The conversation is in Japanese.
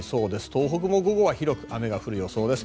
東北も午後は広く雨が降る予想です。